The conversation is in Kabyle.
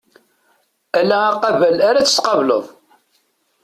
Ala aqabel ara tt-tqableḍ.